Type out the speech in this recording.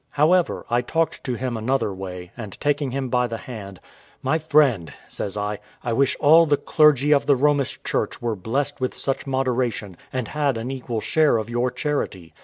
However, I talked to him another way, and taking him by the hand, "My friend," says I, "I wish all the clergy of the Romish Church were blessed with such moderation, and had an equal share of your charity.